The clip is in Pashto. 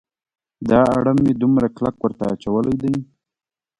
دا اړم مې دومره کلک ورته اچولی دی.